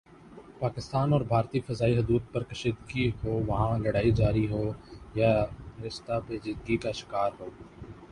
پاکستان اور بھارتی فضائی حدود پر کشیدگی ہو وہاں لڑائی جاری ہوں یا رشتہ پیچیدگی کا شکار ہوں